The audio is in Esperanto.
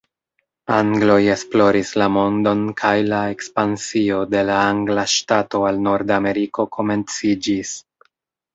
Angloj esploris la mondon kaj la ekspansio de la angla ŝtato al Nordameriko komenciĝis.